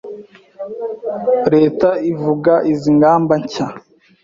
Leta ivuga izi ngamba nshya